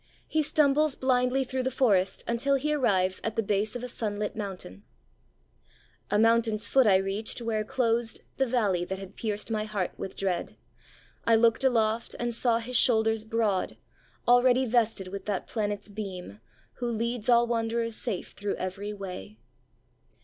He stumbles blindly through the forest until he arrives at the base of a sunlit mountain: ... a mountain's foot I reached, where closed The valley that had pierced my heart with dread. I looked aloft, and saw his shoulders broad Already vested with that planet's beam Who leads all wanderers safe through every way.